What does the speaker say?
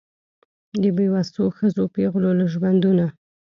د بېوسو ښځو پېغلو له ژوندونه